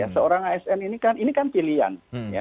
seorang asn ini kan pilihan